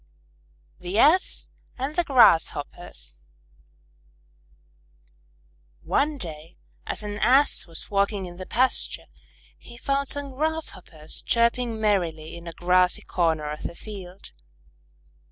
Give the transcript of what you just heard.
_ THE ASS AND THE GRASSHOPPERS One day as an Ass was walking in the pasture, he found some Grasshoppers chirping merrily in a grassy corner of the field.